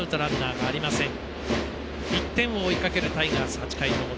１点を追いかけるタイガース８回の表。